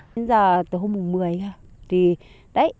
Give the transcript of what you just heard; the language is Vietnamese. bây giờ từ hôm mùng một mươi